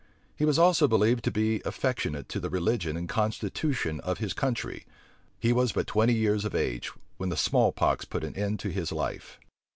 He was also believed to be affectionate to the religion and constitution of his country. He was but twenty years of age, when the small pox put an end to his life.